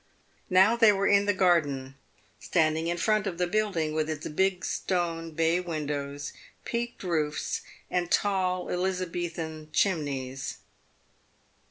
Now they were in the garden, standing in front of the building with its big stone bay windows, peaked roofs, and tall Elizabethan chimneys.